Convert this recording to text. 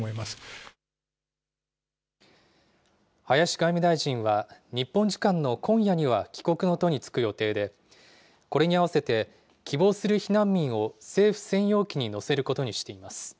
林外務大臣は日本時間の今夜には帰国の途に就く予定で、これにあわせて、希望する避難民を政府専用機に乗せることにしています。